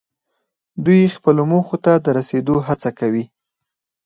دوی خپلو موخو ته د رسیدو هڅه کوي.